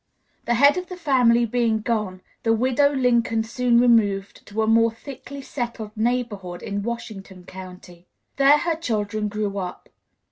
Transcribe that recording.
] The head of the family being gone, the widow Lincoln soon removed to a more thickly settled neighborhood in Washington County. There her children grew up.